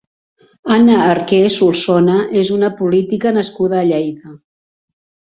Anna Arqué Solsona és una política nascuda a Lleida.